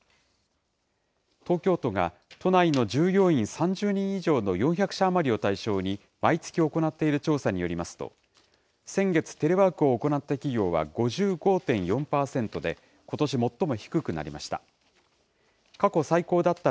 東京都が都内の従業員３０人以上の４００社余りを対象に、毎月行っている調査によりますと、先月、テレワークを行った企業は５５．４％で、ことし最も低くなりました。